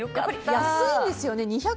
安いんですよね